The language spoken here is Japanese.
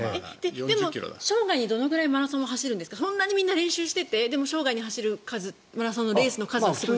でも、生涯にどのくらいマラソンを走るんですかそんなに練習しててでも生涯に走るマラソンのレースの数って少ない。